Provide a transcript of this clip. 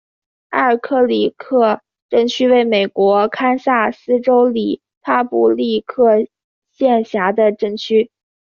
埃尔克里克镇区为美国堪萨斯州里帕布利克县辖下的镇区。